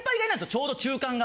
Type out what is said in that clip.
ちょうど中間が。